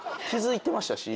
気付いてました？